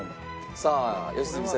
さあ良純さん